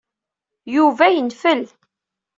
Yuba yenfel.